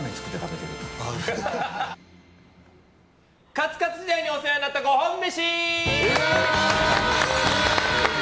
カツカツ時代にお世話になったご褒美飯。